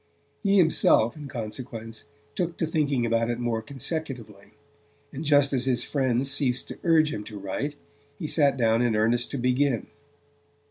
He himself, in consequence, took to thinking about it more consecutively; and just as his friends ceased to urge him to write, he sat down in earnest to begin.